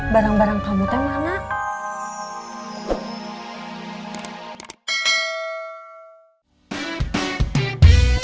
barang barang kamu teman nak